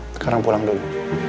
sekarang pulang dulu